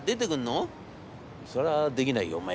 『それはできないよお前。